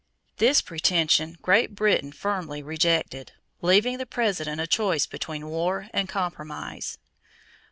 This pretension Great Britain firmly rejected, leaving the President a choice between war and compromise.